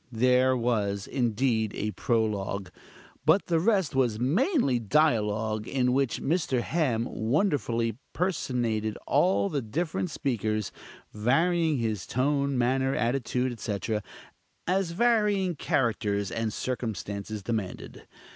There was, indeed, a prologue, but the rest was mainly dialogue, in which Mr. Ham wonderfully personated all the different speakers, varying his tone, manner, attitude, etc., as varying characters and circumstances demanded.